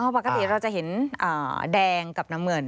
ปกติเราจะเห็นแดงกับน้ำเงิน